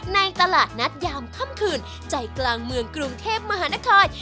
ตลาดนัดยามค่ำคืนใจกลางเมืองกรุงเทพมหานคร